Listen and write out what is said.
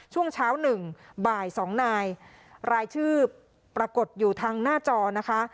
ช่วงเช้า๑บ่าย๒นายรายชื่อปรากฏอยู่ทางหน้าจอนะคะ